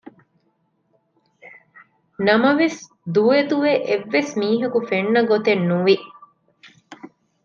ނަމަވެސް ދުވެ ދުވެ އެއްވެސް މީހަކު ފެންނަގޮތެއް ނުވި